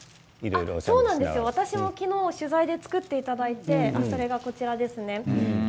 私も昨日、取材で作っていただいてそれがこちらですね。